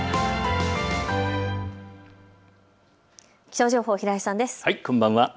気象情報、平井さんです。